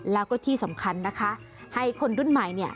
แล้วก็ที่สำคัญนะคะให้คนรุ่นใหม่เนี่ย